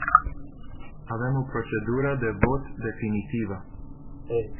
Avem o procedură de vot definitivă.